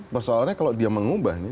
pesoalannya kalau dia mengubah nih